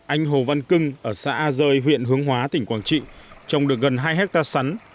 anh hồ văn cưng ở xã a rơi huyện hướng hóa tỉnh quảng trị trồng được gần hai hectare sắn